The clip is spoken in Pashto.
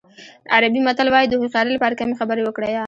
عربي متل وایي د هوښیارۍ لپاره کمې خبرې وکړئ.